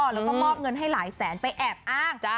แล้วก็มอบเงินให้หลายแสนไปแอบอ้าง